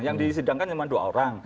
yang disidangkan cuma dua orang